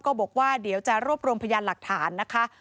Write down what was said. ก็บอกว่าเดี๋ยวจะรวบรวมพยานหลักฐานนะคะ